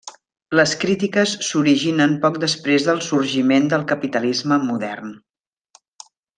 Les crítiques s'originen poc després del sorgiment del capitalisme modern.